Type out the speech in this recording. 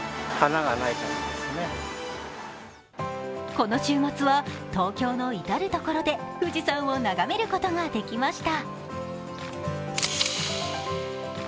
この週末は東京の至る所で富士山を眺めることができました。